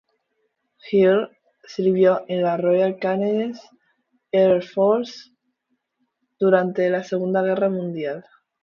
Hill sirvió en la Royal Canadian Air Force durante la Segunda Guerra Mundial.